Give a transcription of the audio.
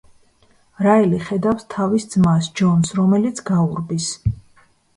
რაელი ხედავს თავის ძმას, ჯონს, რომელიც გაურბის.